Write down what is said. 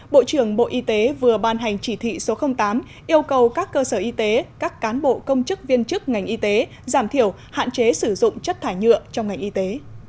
bộ trưởng bộ y tế vừa ban hành chỉ thị số tám yêu cầu các cơ sở y tế các cán bộ công chức viên chức ngành y tế giảm thiểu hạn chế sử dụng chất thải nhựa trong ngành y tế